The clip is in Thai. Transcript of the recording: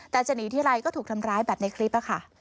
แต่จะหนีทีไรก็ถูกทำร้ายแบบในคลิปค่ะ